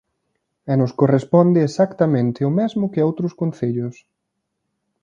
E nos corresponde exactamente o mesmo que a outros concellos.